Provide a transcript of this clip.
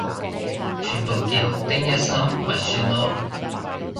全部叫丁一心咪算囉